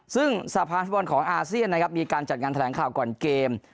ซึ่งสะพานฟุตบอลของอาเซียนนะครับมีการจัดงานแถลงข่าวก่อนเกม